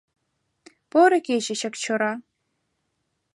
«Поро кече Чакчора